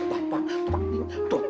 tuh bang dah